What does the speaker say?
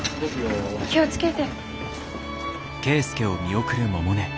気を付けて。